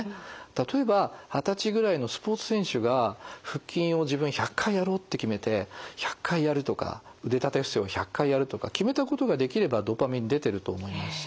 例えば二十歳ぐらいのスポーツ選手が腹筋を自分は１００回やろうって決めて１００回やるとか腕立て伏せを１００回やるとか決めたことができればドパミン出てると思いますし。